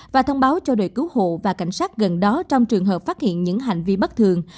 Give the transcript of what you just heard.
và thông báo cho đội cứu hộ và cảnh sát gần đó trong trường hợp phát hiện những hành vi bất thường